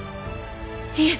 いえ。